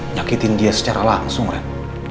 nyakitin dia secara langsung ren